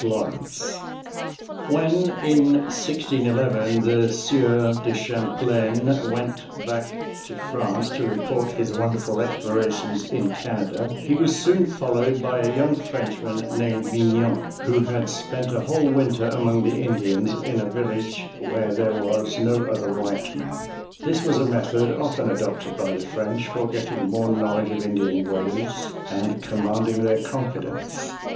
LAWRENCE When in 1611 the Sieur de Champlain went back to France to report his wonderful explorations in Canada, he was soon followed by a young Frenchman named Vignan, who had spent a whole winter among the Indians, in a village where there was no other white man. This was a method often adopted by the French for getting more knowledge of Indian ways and commanding their confidence.